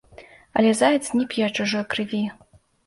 Але заяц не п'е чужой крыві.